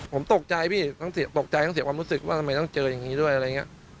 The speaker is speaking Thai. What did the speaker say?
ผมตกใจพี่ทั้งตกใจทั้งเสียความรู้สึกว่าทำไมต้องเจออย่างนี้ด้วยอะไรอย่างนี้